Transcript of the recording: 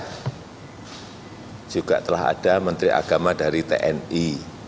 karena juga telah ada menteri agama dari tni